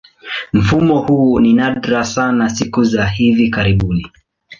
Mfumo huu ni nadra sana siku za hivi karibuni.